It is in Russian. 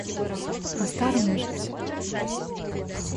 По старому жить?